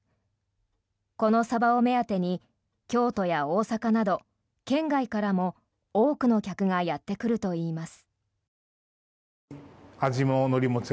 このサバを目当てに京都や大阪など、県外からも多くの客がやってくるといいます。